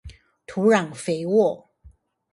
土壤肥沃